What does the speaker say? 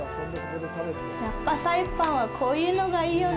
やっぱサイパンはこういうのがいいよね。